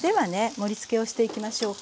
盛りつけをしていきましょうか。